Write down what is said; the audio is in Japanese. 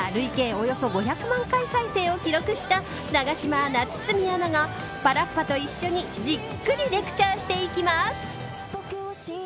およそ５００万回再生を記録した永島アナ、堤アナがパラッパと一緒にじっくりレクチャーしていきます。